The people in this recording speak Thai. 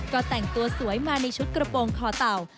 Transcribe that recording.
ก็แต่งตัวสวยมาในชุดกระโปรงคอเต่า